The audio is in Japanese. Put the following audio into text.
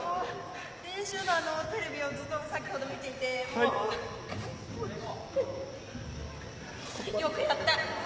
練習のテレビを先ほどずっと見ていて、よくやった。